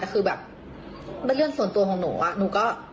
แต่คือเรื่องส่วนตัวของหนู